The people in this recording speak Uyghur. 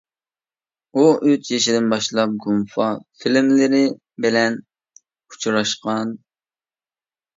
ئۇ ئۈچ يېشىدىن باشلاپ گۇمپا فىلىملىرى بىلەن ئۇچراشقان.